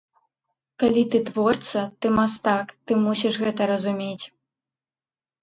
Калі ты творца, ты мастак, ты мусіш гэта разумець.